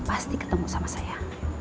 pasti ketemu sama saya